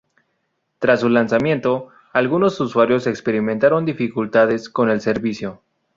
Tras su lanzamiento, algunos usuarios experimentaron dificultades con el servicio.